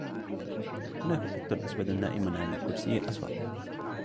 هناك قط أسود نائم على الكرسي الأصفر.